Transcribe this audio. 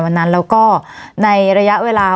วันนี้แม่ช่วยเงินมากกว่า